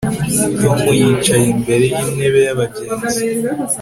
Tom yicaye imbere yintebe yabagenzi